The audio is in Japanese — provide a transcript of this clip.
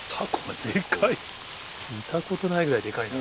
見たことないぐらいデカいな。